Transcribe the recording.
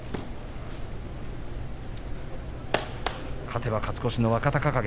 勝てば勝ち越しの若隆景。